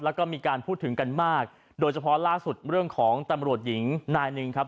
แล้วก็มีการพูดถึงกันมากโดยเฉพาะล่าสุดเรื่องของตำรวจหญิงนายหนึ่งครับ